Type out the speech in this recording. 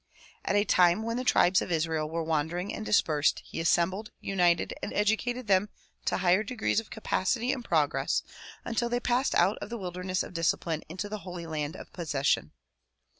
At a time when the tribes of Israel were wander ing and dispersed, he assembled, united and educated them to higher degrees of capacity and progress until they passed out of the wilderness of discipline into the holy land of possession.